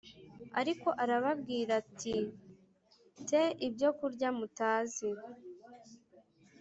Ariko arababwira ati m te ibyokurya mutazi